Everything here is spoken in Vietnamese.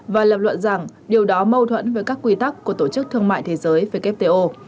và lập luận rằng điều đó mâu thuẫn với các quy tắc của tổ chức thương mại thế giới wto